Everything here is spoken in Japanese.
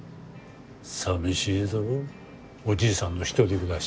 寂しいぞぉおじいさんの一人暮らし。